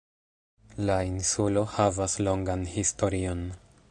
La insulo havas longan historion.